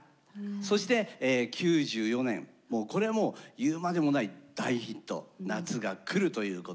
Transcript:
そして９４年これはもう言うまでもない大ヒット「夏が来る」ということなんですけど。